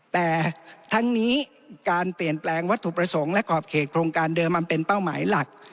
แต่ทั้งนี้การเปลี่ยนแปลงวัตถุประสงค์และขอบเขตโครงการเดิมมันเป็นเป้าหมายหลัก